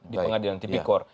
di pengadilan tipikor